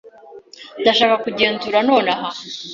Ndashaka kugenzura nonaha.